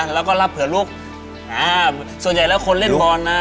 แล้วก็รับเผื่อลูกอ่าส่วนใหญ่แล้วคนเล่นบอลนะ